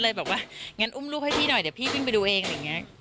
เลยบอกว่างั้นอุ้มลูกให้พี่หน่อยเดี๋ยวพี่วิ่งไปดูเองอะไรอย่างนี้